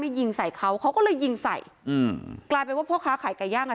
ยิงใส่เขาเขาก็เลยยิงใส่อืมกลายเป็นว่าพ่อค้าขายไก่ย่างอ่ะ